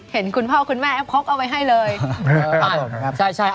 เห็นคุณพ่อคุณแม่แอบคล็อกเอาไว้ให้เลย